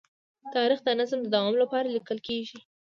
تاریخ د نظم د دوام لپاره لیکل کېږي.